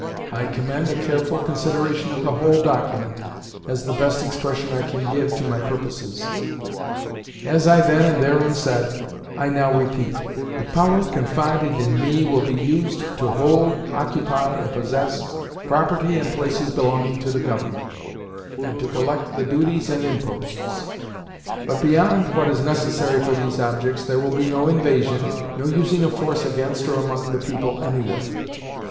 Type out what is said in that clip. I commend a careful consideration of the whole document as the best expression I can give to my purposes. As I then and therein said, I now repeat: "The power confided in me will be used to hold, occupy, and possess property and places belonging to the Government, and to collect the duties and imposts; but beyond what is necessary for these objects there will be no invasion, no using of force against or among the people anywhere."